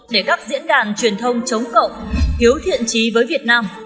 để các diễn đàn truyền thông chống cộng thiếu thiện trí với việt nam